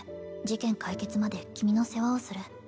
事件解決まで君の世話をする